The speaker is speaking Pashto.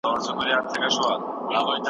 خدای خبر چي بیا به درسم پر ما مه ګوره فالونه